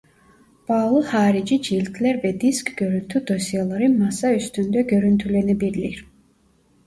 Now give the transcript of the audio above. Bağlı harici ciltler ve disk görüntü dosyaları masaüstünde görüntülenebilir.